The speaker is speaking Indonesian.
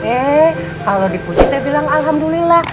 eh kalau dipuji saya bilang alhamdulillah